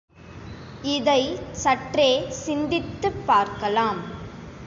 இதைச் சற்றே சிந்தித்துப் பார்க்கலாம்.